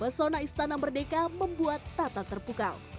pesona istana merdeka membuat tata terpukau